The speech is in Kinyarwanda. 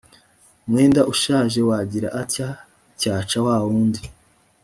mwenda ushaje uwagira aty cyaca wa wundi